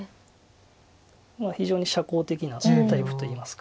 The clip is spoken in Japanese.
非常に社交的なタイプといいますか。